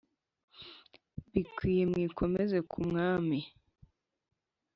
bikwiyemwikomeze ku umwami